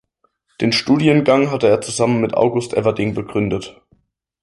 Den Studiengang hatte er zusammen mit August Everding begründet.